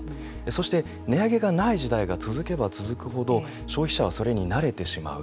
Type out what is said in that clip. そして値上げがない時代が続けば続くほど消費者はそれに慣れてしまう。